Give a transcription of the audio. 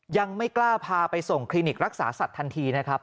ยังไม่กล้าพาไปส่งคลินิกรักษาสัตว์ทันทีนะครับ